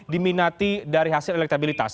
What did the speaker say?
diminati dari hasil elektabilitas